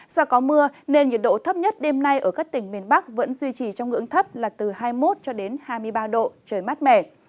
do có mưa nên nhiệt độ thấp nhất đêm nay ở các tỉnh miền bắc vẫn duy trì trong ngưỡng thấp là từ hai mươi một cho đến hai mươi ba độ trời mát mẻ